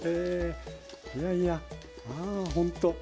いやいやまあほんとね